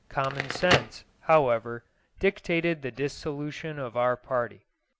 Common sense, however, dictated the dissolution of our party.